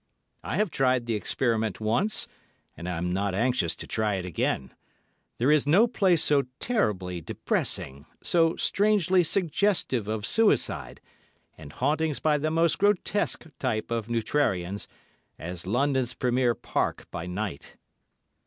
I have tried the experiment once, and I am not anxious to try it again; there is no place so terribly depressing, so strangely suggestive of suicide, and hauntings by the most grotesque type of neutrarians, as London's premier park by night.